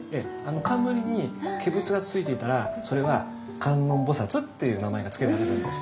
冠に化仏がついていたらそれは観音菩という名前が付けられるんです。